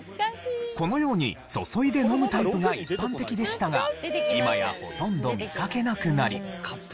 このように注いで飲むタイプが一般的でしたが今やほとんど見かけなくなり。